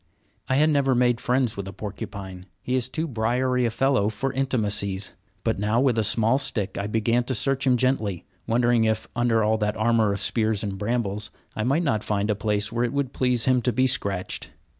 I had never made friends with a porcupine, he is too briery a fellow for intimacies, but now with a small stick I began to search him gently, wondering if, under all that armor of spears and brambles, I might not find a place where it would please him to be scratched.